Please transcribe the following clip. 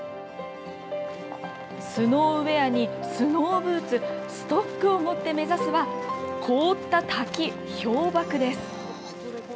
スノーウエアにスノーブーツ、ストックを持って目指すは、凍った滝、氷瀑です。